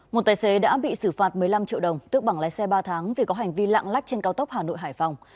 một tài xế đã bị xử phạt một mươi năm triệu đồng tước bằng lái xe ba tháng vì có hành vi lạng lách trên cao tốc hà nội hải phòng